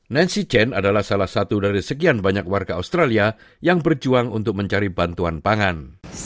nancy chen adalah salah satu dari sekian banyak warga australia yang berjuang untuk mencari bantuan pangan